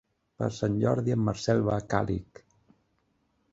Per Sant Jordi en Marcel va a Càlig.